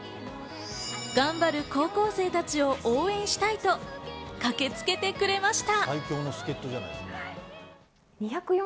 頑張る高校生たちを応援したいと駆けつけてくれました。